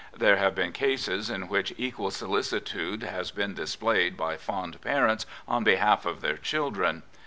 There have been cases in which equal solicitude has been displayed by fond parents on behalf of their children.